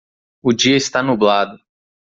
O dia está nublado